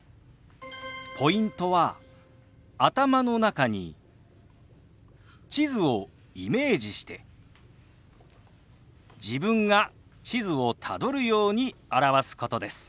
ポイントは頭の中に地図をイメージして自分が地図をたどるように表すことです。